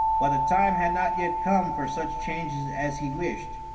But the time had not yet come for such changes as he wished.